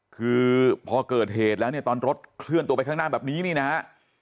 คือพอเกิดเหตุแล้วเนี่ยตอนรถเคลื่อนตัวไปข้างหน้าแบบนี้นี่นะฮะ